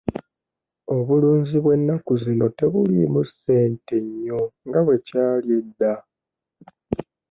Obulunzi bw'ennaku zino tebuliimu ssente nnyo nga bwe kyali edda.